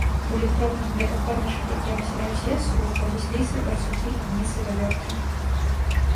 У лік дробных млекакормячых, якія насяляюць лес, уваходзяць лісы, барсукі, куніцы, вавёркі.